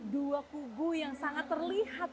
dua kubu yang sangat terlihat